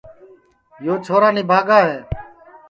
یو چھورا نِبھاگا ہے